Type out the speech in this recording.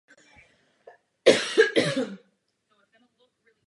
Strukturní analýza současného jazyka pak pokrývá tematicky celá následující léta.